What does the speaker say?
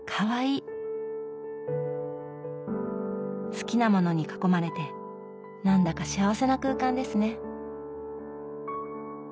好きなものに囲まれてなんだか幸せな空間ですね。